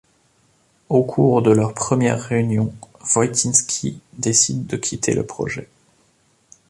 Au cours de leurs premières réunions, Voïtinski décide de quitter le projet.